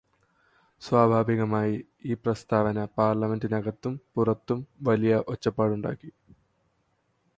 സ്വാഭാവികമായും ഈ പ്രസ്താവന പാർലമെന്റിനകത്തും പുറത്തും വലിയ ഒച്ചപ്പാടുണ്ടാക്കി.